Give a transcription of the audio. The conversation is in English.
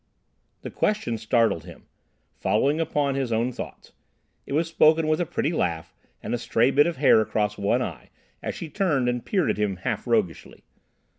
The question startled him, following upon his own thoughts. It was spoken with a pretty laugh, and a stray bit of hair across one eye, as she turned and peered at him half roguishly.